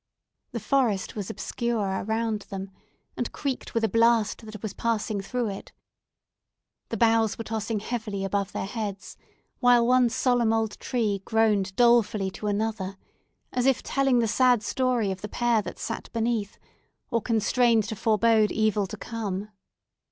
The forest was obscure around them, and creaked with a blast that was passing through it. The boughs were tossing heavily above their heads; while one solemn old tree groaned dolefully to another, as if telling the sad story of the pair that sat beneath, or constrained to forbode evil to come.